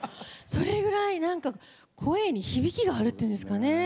それぐらい、声に響きがあるっていうんですかね。